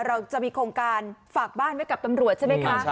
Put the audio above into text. เราจะมีโครงการฝากบ้านไว้กับตำรวจใช่ไหมคะ